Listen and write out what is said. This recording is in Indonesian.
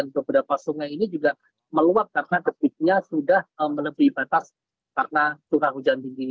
beberapa sungai ini juga meluap karena debitnya sudah melebihi batas karena curah hujan tinggi